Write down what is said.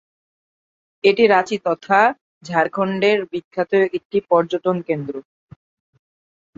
এটি রাঁচি তথা ঝাড়খন্ডের বিখ্যাত একটি পর্যটন কেন্দ্র।